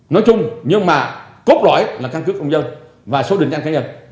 nói chung nhưng mà cốt loại là căn cức công dân và số định năng khả nhận